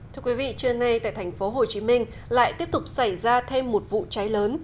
thưa quý vị trưa nay tại thành phố hồ chí minh lại tiếp tục xảy ra thêm một vụ cháy lớn